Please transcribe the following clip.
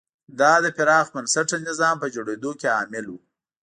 دا د پراخ بنسټه نظام په جوړېدو کې عامل و.